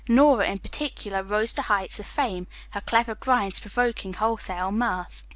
Nora in particular rose to heights of fame, her clever grinds provoking wholesale mirth.